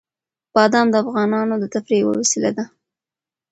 بادام د افغانانو د تفریح یوه وسیله ده.